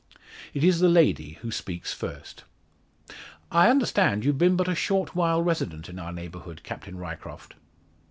It is the lady who speaks first: "I understand you've been but a short while resident in our neighbourhood, Captain Ryecroft?"